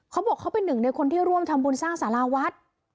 เขาบอกเขาเป็นหนึ่งในคนที่ร่วมทำบุญสร้างสาราวัด